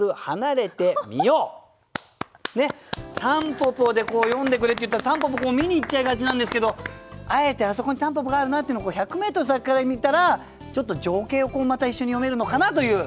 「蒲公英」で詠んでくれっていったら蒲公英見に行っちゃいがちなんですけどあえて「あそこに蒲公英があるな」っていうのを１００ｍ先から見たら情景をまた一緒に詠めるのかなという。